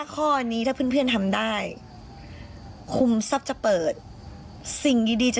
ข้อนี้ถ้าเพื่อนเพื่อนทำได้คุมทรัพย์จะเปิดสิ่งดีจะ